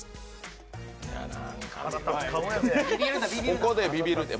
ここでビビるて。